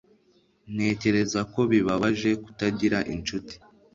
Ntekereza ko bibabaje kutagira inshuti